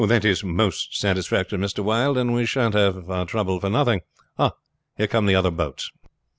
"That is most satisfactory, Mr. Wylde, and we sha'n't have had our trouble for nothing. Ah! here come the other boats."